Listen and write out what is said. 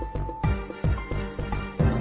กลับไปกันเลยครับ